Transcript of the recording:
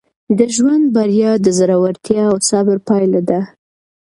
د ژوند بریا د زړورتیا او صبر پایله ده.